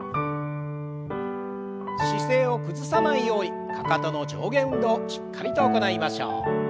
姿勢を崩さないようにかかとの上下運動しっかりと行いましょう。